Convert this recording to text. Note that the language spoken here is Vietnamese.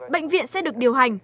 bệnh viện sẽ được điều hành